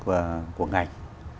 và của ngành